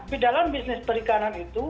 di dalam bisnis perikanan itu